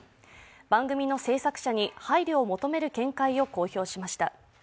番組の制作者に配慮を求める見解を公表しました。